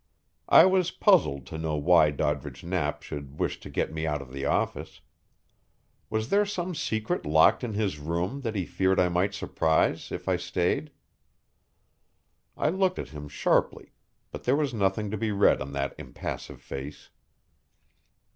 I was puzzled to know why Doddridge Knapp should wish to get me out of the office. Was there some secret locked in his room that he feared I might surprise if I stayed? I looked at him sharply, but there was nothing to be read on that impassive face.